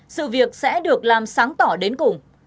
sự việc sẽ được làm sáng tỏ đến cùng